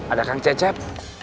ada kang cecep